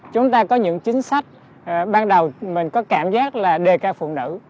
chúng ta có những chính sách ban đầu mình có cảm giác là đề ca phụ nữ